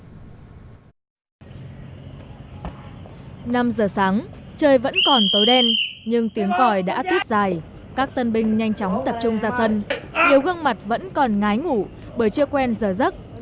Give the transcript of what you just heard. năm giờ sáng trời vẫn còn tối đen nhưng tiếng còi đã tuyết dài các tân binh nhanh chóng tập trung ra sân nhiều gương mặt vẫn còn ngái ngủ bởi chưa quen giờ giấc